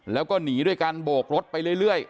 แล้วก็หนีด้วยการโบกรถไปเรื่อย